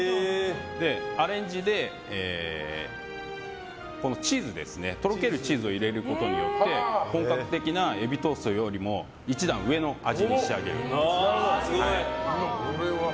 アレンジでとろけるチーズを入れることによって本格的なエビトーストよりも一段上の味に仕上げています。